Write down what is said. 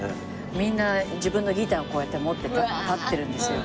みんな自分のギターをこうやって持って立ってるんですよ。